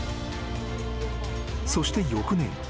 ［そして翌年］